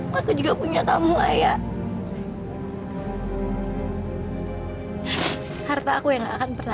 maaf ini tadi apa mereknya mas